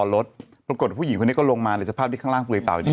รถปรากฏผู้หญิงคนนี้ก็ลงมาในสภาพที่ข้างล่างเปลือยเปล่าอยู่ดี